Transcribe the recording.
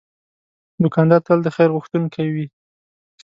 دوکاندار تل د خیر غوښتونکی وي.